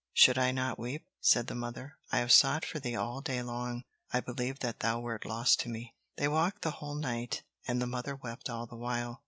"Should I not weep?" said the mother. "I have sought for thee all day long. I believed that thou wert lost to me." They walked the whole night, and the mother wept all the while.